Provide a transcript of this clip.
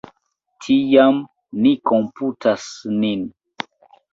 Tiam, ni komputas nin.